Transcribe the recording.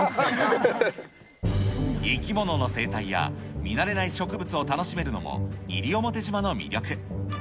生き物の生態や、見慣れない植物を楽しめるのも、西表島の魅力。